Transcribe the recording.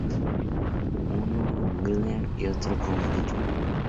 Uno con will.i.am y otro con Pitbull.